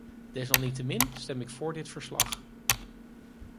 Desalniettemin stem ik voor dit verslag.